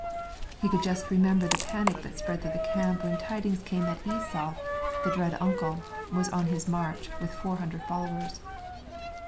He could just remember the panic that spread through the camp when tidings came II that Esau, the dread uncle, was on his march, with four hundred followers.